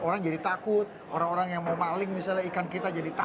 orang jadi takut orang orang yang mau maling misalnya ikan kita jadi takut